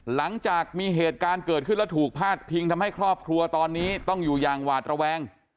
หลังจากมีเหตุการณ์เกิดขึ้นแล้วถูกพาดพิงทำให้ครอบครัวตอนนี้ต้องอยู่อย่างหวาดระแวง